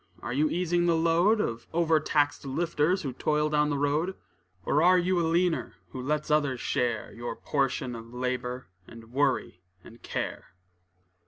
Are you easing the load, Of overtaxed lifters, who toil down the road? Or are you a leaner, who lets others share Your portion of labor, and worry and care?